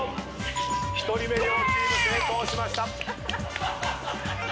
１人目両チーム成功しました。